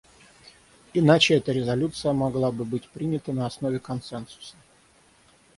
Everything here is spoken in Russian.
Иначе эта резолюция могла бы быть принята на основе консенсуса.